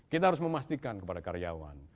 kita harus memastikan kepada karyawan